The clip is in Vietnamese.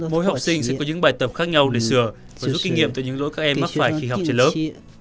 mỗi học sinh sẽ có những bài tập khác nhau để sửa xử giúp kinh nghiệm từ những lỗi các em mắc phải khi học trên lớp